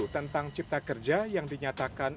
tentang cipta kerja yang dinyatakan